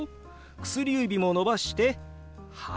薬指も伸ばして「８」。